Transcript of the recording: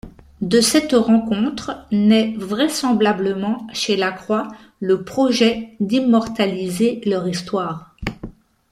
De cette rencontre naît vraisemblablement chez Lacroix le projet d'immortaliser leur histoire.